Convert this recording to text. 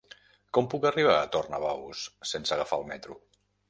Com puc arribar a Tornabous sense agafar el metro?